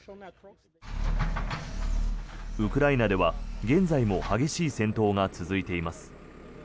ウクライナでは現在も激しい戦闘が続いています。